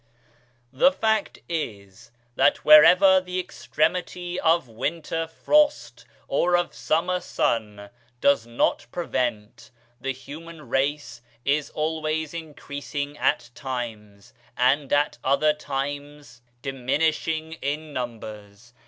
The fact is, that wherever the extremity of winter frost or of summer sun does not prevent, the human race is always increasing at times, and at other times diminishing in numbers.